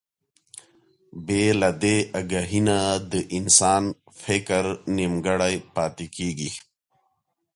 بې له دې اګاهي نه د انسان فکر نيمګړی پاتې کېږي.